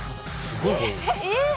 えっ！？